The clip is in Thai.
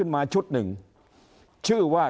มาชุดหนึ่งชื่อว่า